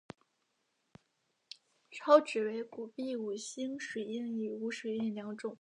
钞纸为古币五星水印与无水印两种。